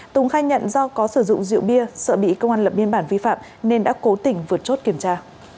tùng khai nhận do có sử dụng rượu bia sợ bị công an lập biên bản vi phạm nên đã cố tỉnh vượt chốt kiểm tra